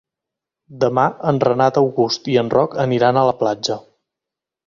Demà en Renat August i en Roc aniran a la platja.